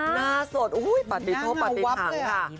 หน้าสดปัดติดโทษปัดติดถังค่ะ